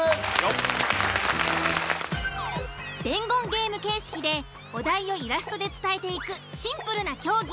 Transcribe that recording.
伝言ゲーム形式でお題をイラストで伝えていくシンプルな競技。